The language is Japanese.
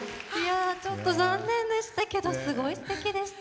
ちょっと残念でしたけどすごいすてきでした。